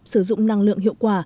sử dụng năng lượng hiệu quả